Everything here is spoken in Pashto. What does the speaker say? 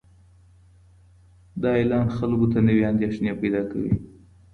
دا اعلان خلکو ته نوې اندېښنې پیدا کوي.